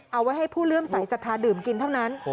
เอาไว้ให้ผู้เริ่มใสสถาดื่มกินเท่านั้น